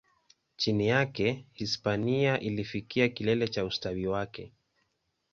Chini yake, Hispania ilifikia kilele cha ustawi wake.